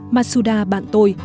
masuda bạn tôi